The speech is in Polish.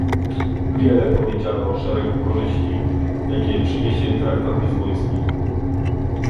Wiele powiedziano o szeregu korzyści, jakie przyniesie traktat lizboński